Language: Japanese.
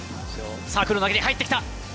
サークルの中に入ってきた。